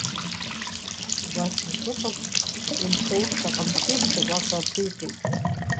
Убас ишыҟаз, Унцәа урҭ аҟамчы еиԥш агәаҟра рхиҟьеит.